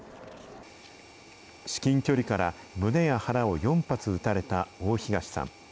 至近距離から胸や腹を４発撃たれた大東さん。